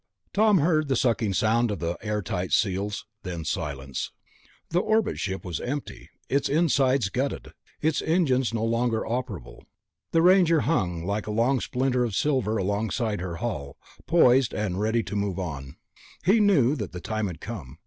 Tom heard the sucking sound of the air tight seals, then silence. The orbit ship was empty, its insides gutted, its engines no longer operable. The Ranger hung like a long splinter of silver alongside her hull, poised and ready to move on. He knew that the time had come.